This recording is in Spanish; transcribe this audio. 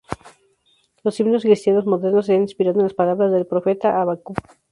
Los himnos cristianos modernos se han inspirado en las palabras del profeta Habacuc.